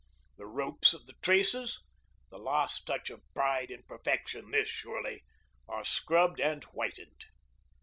The ropes of the traces the last touch of pride in perfection this, surely are scrubbed and whitened.